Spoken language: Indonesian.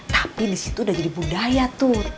tapi disitu udah jadi budaya tuh